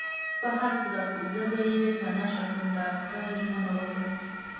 په هر صورت، زه به يې په نښه کړم. ډاکټر ژمنه وکړه.